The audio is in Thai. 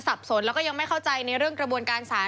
สับสนแล้วก็ยังไม่เข้าใจในเรื่องกระบวนการสาร